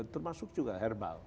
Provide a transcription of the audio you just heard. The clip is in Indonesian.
termasuk juga herbal